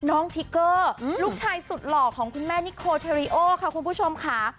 ทิกเกอร์ลูกชายสุดหล่อของคุณแม่นิโคเทรีโอค่ะคุณผู้ชมค่ะ